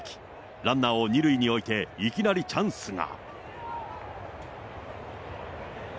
ランナーを２塁に置いていきなりチャンスが。